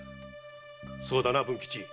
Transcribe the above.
そうだな文吉。